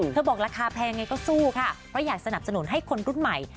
บอกราคาแพงไงก็สู้ค่ะเพราะอยากสนับสนุนให้คนรุ่นใหม่